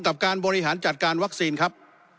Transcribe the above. กับการบริหารจัดการวัคซีนครับ